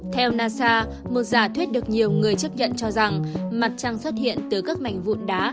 theo nasa một giả thuyết được nhiều người chấp nhận cho rằng mặt trăng xuất hiện từ các mảnh vụn đá